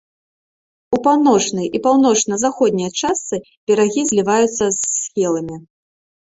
У паўночнай і паўночна-заходняй частцы берагі зліваюцца з схіламі.